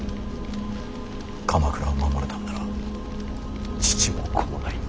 鎌倉を守るためなら父も子もない。